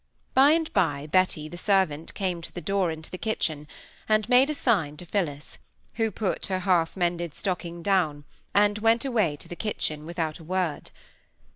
By and by Betty the servant came to the door into the kitchen, and made a sign to Phillis, who put her half mended stocking down, and went away to the kitchen without a word.